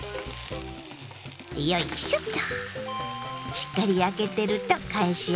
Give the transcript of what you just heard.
よいしょっと。